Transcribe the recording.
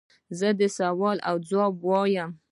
زه د سوال ځواب وایم.